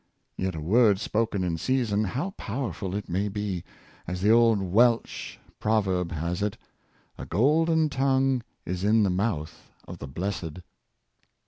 Yet a word spoken in season, how powerful it may be! As the old Welch proverb has it, "A golden tongue is in the mouth of the blessed."